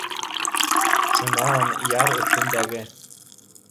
Шунан яр өҫтөндәге